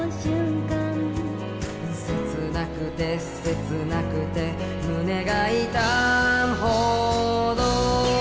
「せつなくてせつなくて胸が痛むほど」